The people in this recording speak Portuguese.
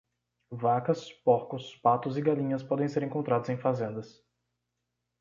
Vacas, porcos, patos e galinhas podem ser encontrados em fazendas